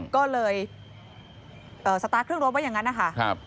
ก็เลยสตาร์ทเครื่องรถไว้อย่างนั้นนะคะ